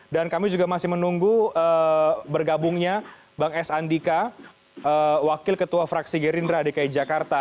dan kami juga masih menunggu bergabungnya bang s andika wakil ketua fraksi gerindra dki jakarta